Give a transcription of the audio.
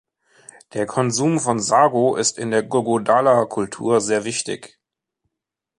Der Konsum von Sago ist in der Gogodala-Kultur sehr wichtig.